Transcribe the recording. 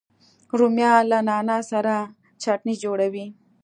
رومیان له نعنا سره چټني جوړوي